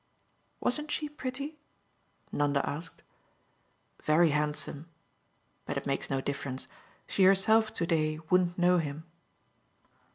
"Wasn't she pretty?" Nanda asked. "Very handsome. But it makes no difference. She herself to day wouldn't know him."